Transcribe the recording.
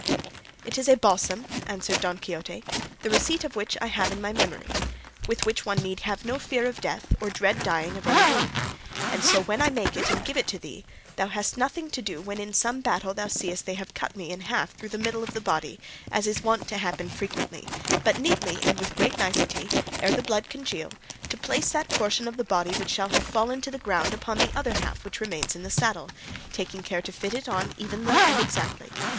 "It is a balsam," answered Don Quixote, "the receipt of which I have in my memory, with which one need have no fear of death, or dread dying of any wound; and so when I make it and give it to thee thou hast nothing to do when in some battle thou seest they have cut me in half through the middle of the body as is wont to happen frequently, but neatly and with great nicety, ere the blood congeal, to place that portion of the body which shall have fallen to the ground upon the other half which remains in the saddle, taking care to fit it on evenly and exactly.